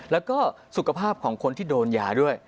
แล้วก็สุขภาพของคนที่โดนยาด้วย